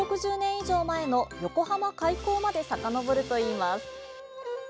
以上前の横浜開港までさかのぼるといいます。